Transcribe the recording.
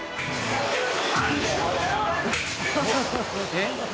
えっ？